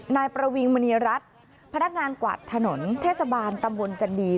นายประวิงมณีรัฐพนักงานกวาดถนนเทศบาลตำบลจันดี